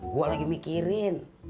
gua lagi mikirin